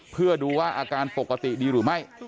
เพื่อดูว่าอาการปกติดีหรือไม่